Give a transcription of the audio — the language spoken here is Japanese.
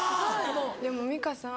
でもミカさん